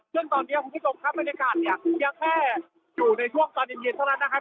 ซึ่งตอนนี้คุณผู้ชมครับบรรยากาศเนี่ยยังแค่อยู่ในช่วงตอนเย็นเท่านั้นนะครับ